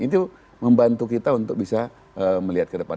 itu membantu kita untuk bisa melihat ke depan